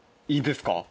いいですか？